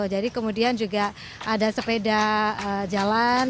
jadi kemudian juga ada sepeda jalan